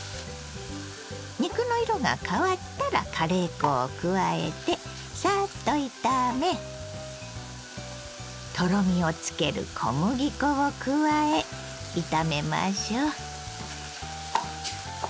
肉の色が変わったらカレー粉を加えてさっと炒めとろみをつける小麦粉を加え炒めましょう。